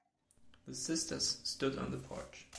The sisters stood on the porch.